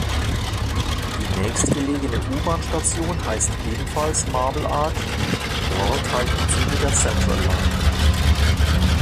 Die nächstgelegene U-Bahn-Station heißt ebenfalls „Marble Arch“; dort halten Züge der Central Line.